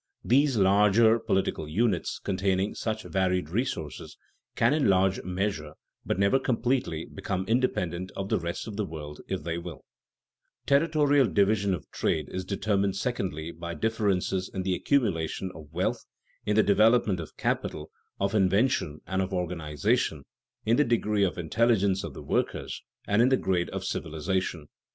These larger political units containing such varied resources can in larger measure, but never completely, become independent of the rest of the world if they will. [Sidenote: Differences in culture and industry] Territorial division of trade is determined secondly by differences in the accumulation of wealth, in the development of capital, of invention, and of organization, in the degree of intelligence of the workers, and in the grade of civilization.